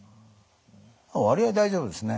割合大丈夫ですね。